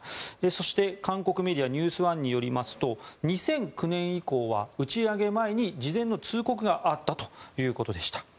そして韓国メディアニュース１によりますと２００９年以降は打ち上げ前に事前の通告があったということでした。